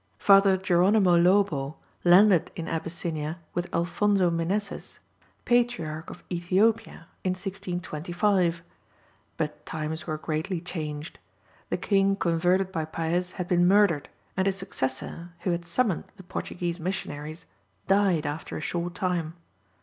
Father Geronimo Lobo landed in Abyssinia with Alfonzo Meneses, patriarch of Ethiopia, in 1625. But times were greatly changed. The king converted by Paez had been murdered, and his successor, who had summoned the Portuguese missionaries, died after a short time.